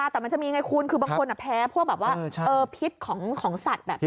แต่มันจะมีไงคุณคือบางคนแพ้พวกแบบว่าพิษของสัตว์แบบนี้